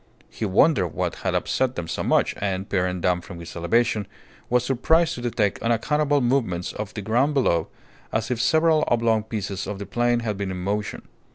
He wondered what had upset them so much, and, peering down from his elevation, was surprised to detect unaccountable movements of the ground below, as if several oblong pieces of the plain had been in motion.